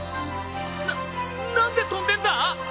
な何で飛んでんだ！？